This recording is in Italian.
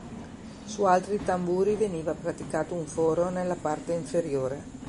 Su altri tamburi veniva praticato un foro nella parte inferiore.